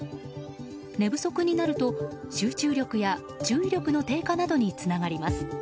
寝不足になると、集中力や注意力の低下などにつながります。